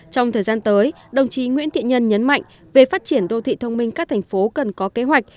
trong thời gian tới đồng chí nguyễn thiện nhân nhấn mạnh về phát triển đô thị thông minh các thành phố cần có kế hoạch